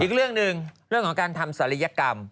อีกเรื่องหนึ่งเรื่องของการทำศัลยกรรม